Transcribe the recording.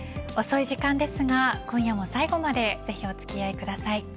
遅い時間ですが、今夜も最後までぜひお付き合いください。